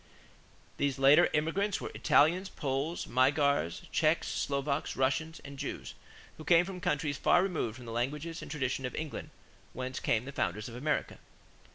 These later immigrants were Italians, Poles, Magyars, Czechs, Slovaks, Russians, and Jews, who came from countries far removed from the language and the traditions of England whence came the founders of America.